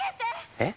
えっ？